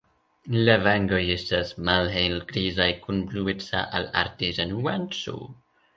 La vangoj estas malhelgrizaj kun blueca al ardeza nuanco.